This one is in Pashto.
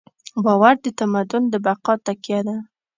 باور د تمدن د بقا تکیه ده.